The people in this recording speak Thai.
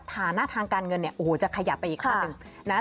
ฐานะทางการเงินจะขยับไปอีกขนาดหนึ่ง